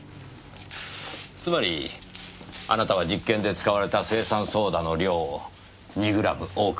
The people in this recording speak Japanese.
つまりあなたは実験で使われた青酸ソーダの量を２グラム多く記載したわけです。